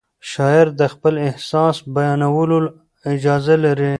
شاعر د خپل احساس بیانولو اجازه لري.